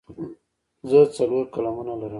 زه څلور قلمونه لرم.